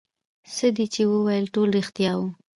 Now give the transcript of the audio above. څه دې چې وويل ټول رښتيا وو.